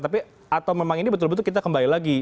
tapi atau memang ini betul betul kita kembali lagi